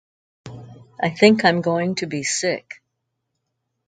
I think I'm going to be sick.